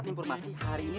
mampus munari ya